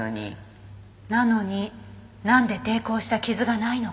なのになんで抵抗した傷がないのか。